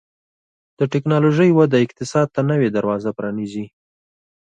د ټکنالوژۍ وده اقتصاد ته نوي دروازې پرانیزي.